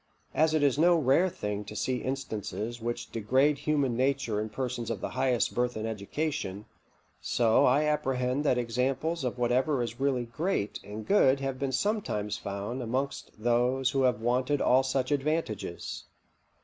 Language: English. As it is no rare thing to see instances which degrade human nature in persons of the highest birth and education, so I apprehend that examples of whatever is really great and good have been sometimes found amongst those who have wanted all such advantages.